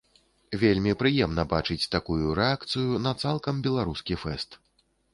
Вельмі прыемна бачыць такую рэакцыю на цалкам беларускі фэст.